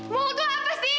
mau tuh apa sih